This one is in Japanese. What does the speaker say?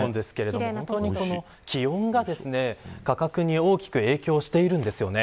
気温が価格に大きく影響しているんですよね。